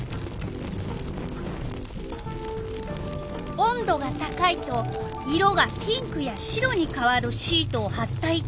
温度が高いと色がピンクや白にかわるシートをはった板。